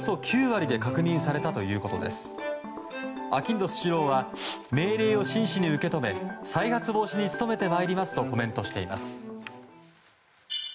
あきんどスシローは命令を真摯に受け止め再発防止に努めてまいりますとコメントしています。